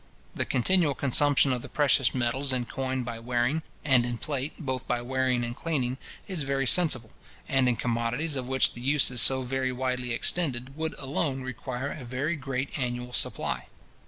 The continual consumption of the precious metals in coin by wearing, and in plate both by wearing and cleaning, is very sensible; and in commodities of which the use is so very widely extended, would alone require a very great annual supply.